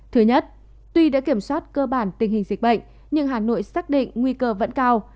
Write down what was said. thứ nhất tuy đã kiểm soát cơ bản tình hình dịch bệnh nhưng hà nội xác định nguy cơ vẫn cao